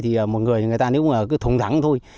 thì một người người ta nếu mà cứ thông thắng thôi